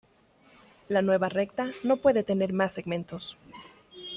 La nueva recta no puede tener más segmentos.